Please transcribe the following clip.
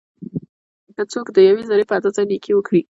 که څوک د یوې ذري په اندازه نيکي وکړي؛